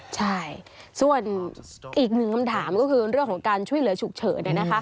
ใช่ส่วนอีกหนึ่งคำถามก็คือเรื่องของการช่วยเหลือฉุกเฉิน